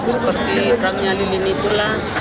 seperti perangnya lilin itulah